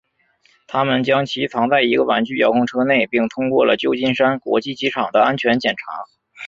他们将其藏在一个玩具遥控车内并通过了旧金山国际机场的安全检查。